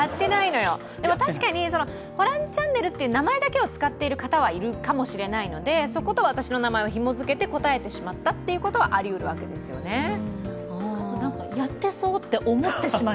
でも確かに、「ホランチャンネル」という名前だけを使ってる方もいるかもしれないのでそこと私の名前をひもづけて答えてしまったということはかつ、なんかやってそうと思ってしまう。